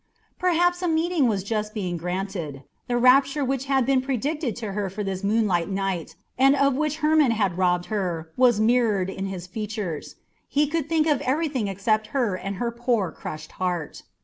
Perhaps a meeting was just being granted. The rapture which had been predicted to her for this moonlight night, and of which Hermon had robbed her, was mirrored in his features. He could think of everything except her and her poor, crushed heart.